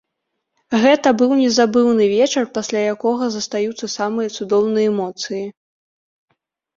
Гэта быў незабыўны вечар, пасля якога застаюцца самыя цудоўныя эмоцыі!